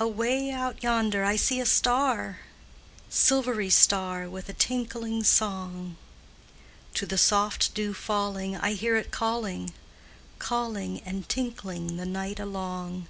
Away out yonder I see a star, Silvery star with a tinkling song; To the soft dew falling I hear it calling Calling and tinkling the night along.